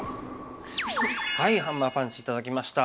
ハンマーパンチ頂きました！